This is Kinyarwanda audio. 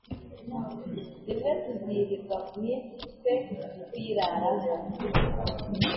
Rimwe tuzirirwa mu isi twe kuyiraramo